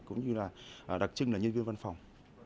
cũng như là đặc trưng là nhân viên văn phòng